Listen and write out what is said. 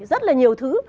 rất là nhiều thứ